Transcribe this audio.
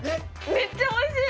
めっちゃおいしい！